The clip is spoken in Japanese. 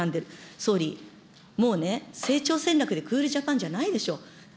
総理、もうね、成長戦略でクールジャパンじゃないでしょう。